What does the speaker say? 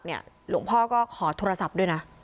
หลวงพ่อก็ขอโทรศัพท์ด้วยนะ